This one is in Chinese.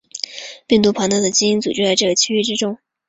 病毒庞大的基因组就在这个区域之中。